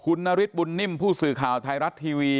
คุณนฤทธบุญนิ่มผู้สื่อข่าวไทยรัฐทีวี